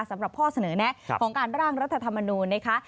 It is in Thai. สำหรับข้อเสนอแนะของการร่างรัฐธรรมนูญนะคะ